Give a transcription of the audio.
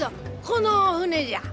この船じゃ！